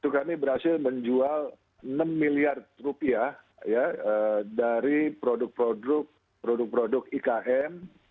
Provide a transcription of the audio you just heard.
kami berhasil menjual enam miliar rupiah dari produk produk ikn